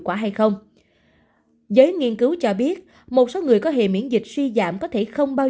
quả hay không giới nghiên cứu cho biết một số người có hề miễn dịch suy giảm có thể không bao